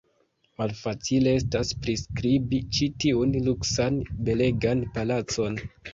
Malfacile estas priskribi ĉi tiun luksan, belegan palacon.